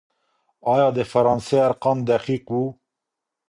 آيا د فرانسې ارقام دقيق وو؟